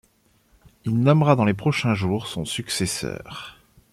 Il nommera dans les prochains jours, son successeur.